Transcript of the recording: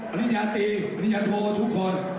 ริญญาตรีปริญญาโททุกคน